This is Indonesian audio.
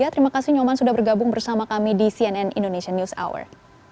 terima kasih nyoman sudah bergabung bersama kami di cnn indonesian news hour